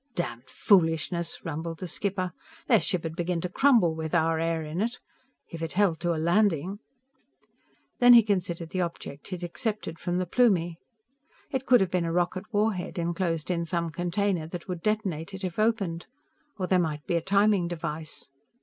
"Damned foolishness!" rumbled the skipper. "_Their ship'd begin to crumble with our air in it! If it held to a landing _" Then he considered the object he'd accepted from the Plumie. It could have been a rocket war head, enclosed in some container that would detonate it if opened. Or there might be a timing device.